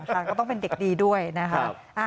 ก็ต้องเป็นเด็กดีด้วยนะคะ